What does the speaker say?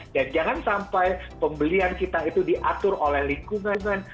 dan jangan sampai pembelian kita itu diatur oleh lingkungan